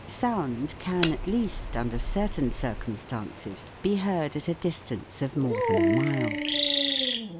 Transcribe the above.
Sound can at least, under certain circumstances, be heard at a distance of more than a mile.